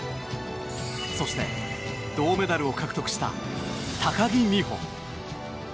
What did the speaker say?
そして、銅メダルを獲得した高木美帆。